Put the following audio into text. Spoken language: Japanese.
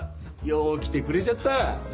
よう来てくれちゃった！